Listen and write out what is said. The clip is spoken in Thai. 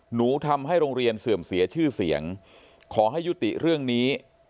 หนูทำให้โรงเรียนเสื่อมเสียชื่อเสียงขอให้ยุติเรื่องนี้